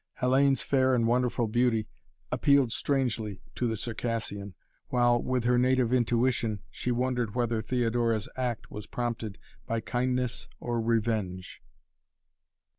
Hellayne's fair and wonderful beauty appealed strangely to the Circassian, while, with her native intuition, she wondered whether Theodora's act was prompted by kindness or revenge.